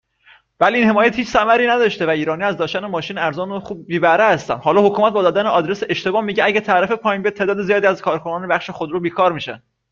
،ولی این حمایت هییییچ ثمري نداشته و ايرانيها از داشتن ماشين ارزان و خوب بي بهره هستن، حالا حكومت با دادن آدرس اشتباه میگه اگه تعرفه پایین بیاد تعداد زیادی از کارکنان بخش خودرو بیکار میشن